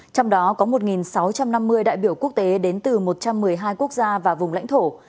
trong đó có một sáu trăm năm mươi đại biểu quốc tế đến từ một trăm một mươi hai quốc gia và vùng lãnh thổ